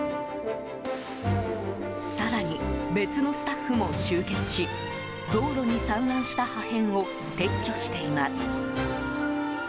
更に、別のスタッフも集結し道路に散乱した破片を撤去しています。